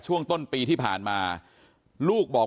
เชิงชู้สาวกับผอโรงเรียนคนนี้